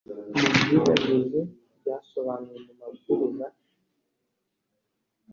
mubyubahirize byasobanuwe mu mabwiriza.